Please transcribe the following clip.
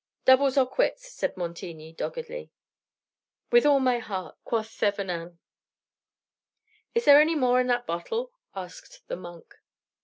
'" "Doubles or quits," said Montigny doggedly. "With all my heart," quoth Thevenin. "Is there any more in that bottle?" asked the monk.